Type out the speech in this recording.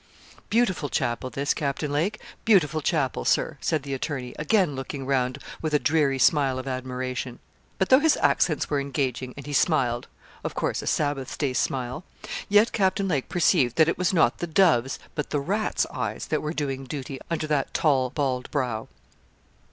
'Beautiful chapel this, Captain Lake beautiful chapel, Sir,' said the attorney, again looking round with a dreary smile of admiration. But though his accents were engaging and he smiled of course, a Sabbath day smile yet Captain Lake perceived that it was not the dove's but the rat's eyes that were doing duty under that tall bald brow.